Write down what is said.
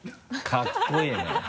かっこいいね。